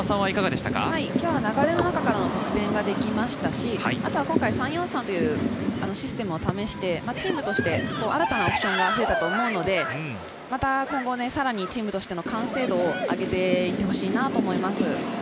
流れの中からの得点ができましたし、３−４−３というシステムを試して、チームとして新たなオプションが増えたと思うので、今後さらにチームとしての完成度を上げて行ってほしいと思います。